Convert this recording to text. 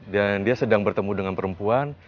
dan dia sedang bertemu dengan perempuan